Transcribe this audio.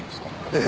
ええ。